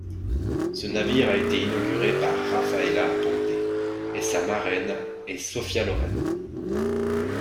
Ce navire a été inauguré par Rafaela Aponte, et sa marraine est Sophia Loren.